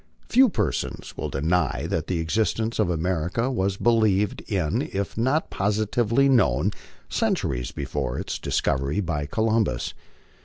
Few persons will deny that the existence of America was believed in if not positively known centuries before its discovery by Columbus.